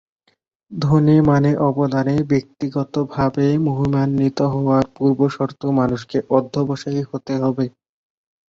ধনে মানে অবদানে ব্যক্তিপতভাবে মহিমান্বিত হওয়ার পূর্বশর্ত মানুষকে অধ্যবসায়ী হতে হবে।